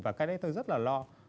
và cái đấy tôi rất là lo